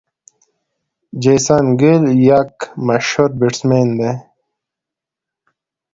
جیسن ګيل یک مشهور بيټسمېن دئ.